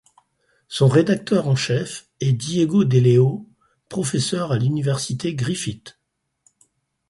Son rédacteur en chef est Diego De Leo, professeur à l'université Griffith.